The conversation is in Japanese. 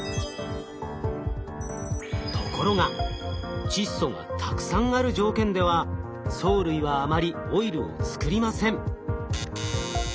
ところが窒素がたくさんある条件では藻類はあまりオイルを作りません。